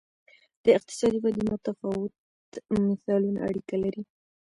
د اقتصادي ودې متفاوت مثالونه اړیکه لري.